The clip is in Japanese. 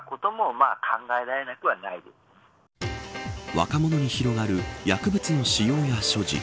若者に広がる薬物の使用や所持。